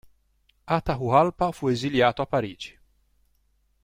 Atahualpa fu esiliato a Parigi.